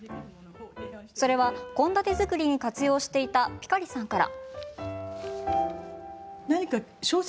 それは、献立作りに活用していたぴかりさんから。